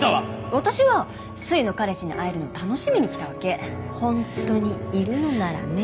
私はすいの彼氏に会えるの楽しみに来たわけ本当にいるのならね